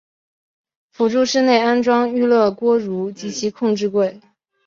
辅助室内安装预热锅炉及其控制柜。